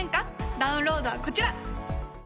ダウンロードはこちら！